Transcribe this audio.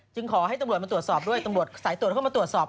จึงขอให้ตรวจมาตรวจสอบด้วยตรวจใส่ตรวจเข้ามาตรวจสอบ